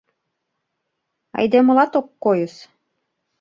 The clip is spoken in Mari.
Айдемылат ок койыс...